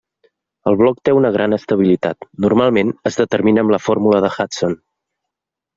El bloc té una gran estabilitat, normalment es determina amb la fórmula de Hudson.